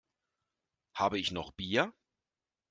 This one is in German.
Habe ich noch Bier?